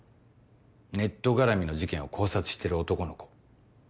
ネット絡みの事件を考察してる男の子。